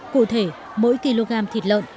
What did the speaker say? cụ thể mỗi kg thịt lợn